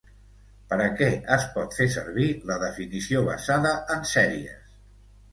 Per a què es pot fer servir la definició basada en sèries?